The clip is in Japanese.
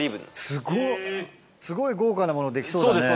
すごっすごい豪華なものできそうだね。